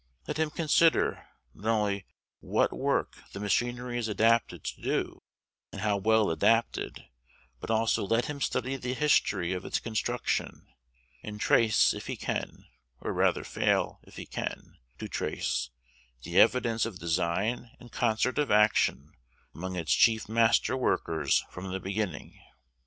Let him consider, not only what work the machinery is adapted to do, and how well adapted, but also let him study the history of its construction, and trace, if he can, or rather fail, if he can, to trace, the evidences of design and concert of action among its chief master workers from the beginning.